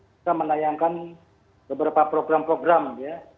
kita menayangkan beberapa program program ya